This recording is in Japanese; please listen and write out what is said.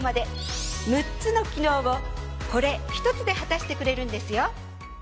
６つの機能をこれ１つで果たしてくれるんですよ。